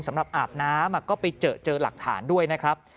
สำหรับอาบน้ำก็ไปเจอหลักฐานด้วยนะครับ